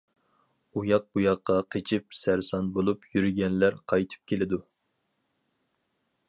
ئۇياق-بۇياققا قېچىپ، سەرسان بولۇپ يۈرگەنلەر قايتىپ كېلىدۇ.